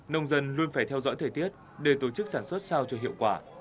nông dân luôn phải theo dõi thời tiết để tổ chức sản xuất sao cho hiệu quả